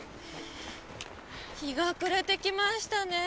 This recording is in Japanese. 日が暮れてきましたね。